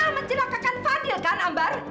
mbak pernah mencelakakan fadil kan ambar